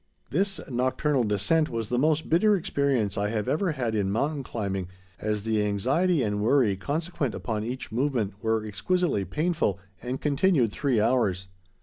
This nocturnal descent was the most bitter experience I have ever had in mountain climbing, as the anxiety and worry consequent upon each movement were exquisitely painful, and continued three hours.